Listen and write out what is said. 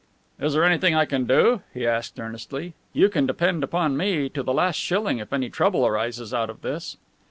"Is there anything I can do?" he asked earnestly. "You can depend upon me to the last shilling if any trouble arises out of this."